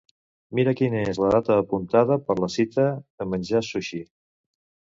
Mira quina és la data apuntada per la cita de menjar sushi.